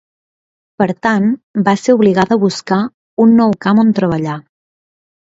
Per tant, va ser obligada a buscar un nou camp on treballar.